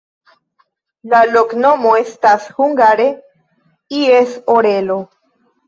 La loknomo estas hungare: ies orelo.